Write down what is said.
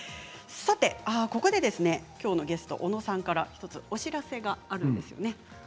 ここできょうのゲスト小野さんから１つお知らせがあるんですよね。